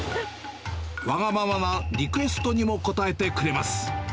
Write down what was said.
わがままなリクエストにも応えてくれます。